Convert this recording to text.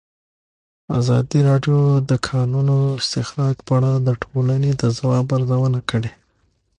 ازادي راډیو د د کانونو استخراج په اړه د ټولنې د ځواب ارزونه کړې.